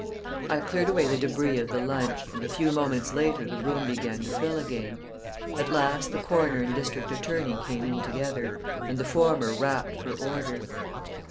I cleared away the débris of the lunch, and a few moments later the room began to fill again. At last the coroner and district attorney came in together, and the former rapped for order.